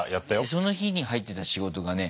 その日に入ってた仕事がね